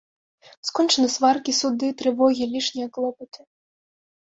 Скончаны сваркі, суды, трывогі, лішнія клопаты.